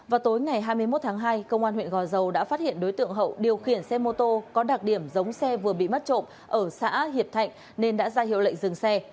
vào tối ngày hai mươi một tháng hai công an huyện gò dầu đã phát hiện đối tượng hậu điều khiển xe mô tô có đặc điểm giống xe vừa bị mất trộm ở xã hiệp thạnh nên đã ra hiệu lệnh dừng xe